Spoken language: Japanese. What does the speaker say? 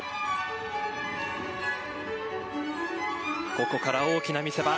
ここから大きな見せ場。